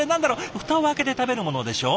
蓋を開けて食べるものでしょう？